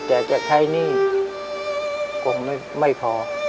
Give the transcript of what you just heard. แต่จะใช้หนี้คงไม่พอ